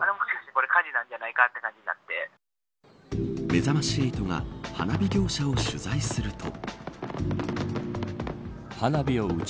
めざまし８が花火業者を取材すると。